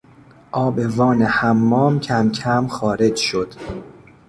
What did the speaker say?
آب وان حمام کمکم خارج شد.